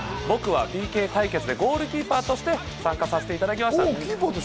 僕はＰＫ対決でゴールキーパーとして参加させていただきました。